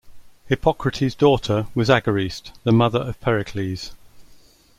Hippocrates' daughter was Agariste, the mother of Pericles.